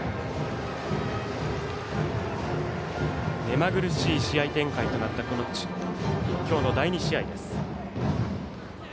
目まぐるしい試合展開となった今日の第２試合です。